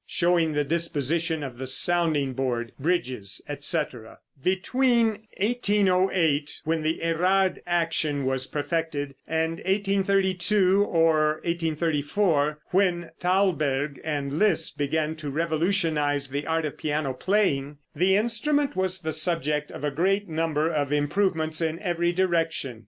(Showing the disposition of the sounding board, bridges, etc.)] Between 1808, when the Érard action was perfected, and 1832 or 1834, when Thalberg and Liszt began to revolutionize the art of piano playing, the instrument was the subject of a great number of improvements in every direction.